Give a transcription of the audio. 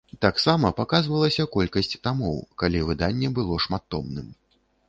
Таксама паказвалася колькасць тамоў, калі выданне было шматтомным.